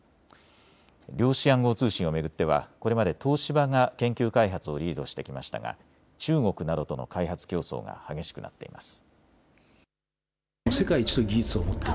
量子暗号通信を巡ってはこれまで東芝が研究開発をリードしてきましたが中国などとの開発競争が激しくなっています。